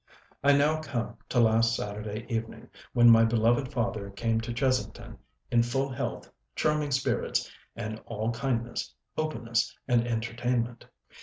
I now come to last Saturday evening, when my beloved father came to Chesington, in full health, charming spirits, and all kindness, openness, and entertainment.